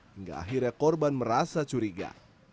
hingga akhirnya korban merasa curiga